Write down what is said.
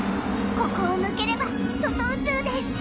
ここを抜ければ外宇宙です。